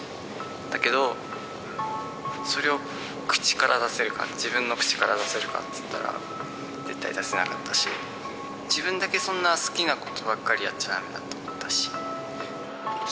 だけど、それを口から出せるか、自分の口から出せるかっていったら絶対出せなかったし、自分だけそんな好きなことばっかりやっちゃだめだと思ったし。